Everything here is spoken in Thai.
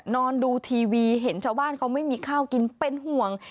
นอนดูทีวีเห็นชาวบ้านเขาไม่มีข้าวกินเป็นห่วง